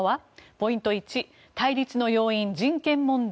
ポイント１対立の要因、人権問題